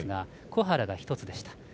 小原が１つでした。